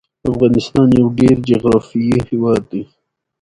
ازادي راډیو د د اوبو منابع د مثبتو اړخونو یادونه کړې.